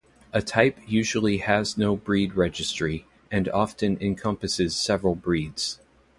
A type usually has no breed registry, and often encompasses several breeds.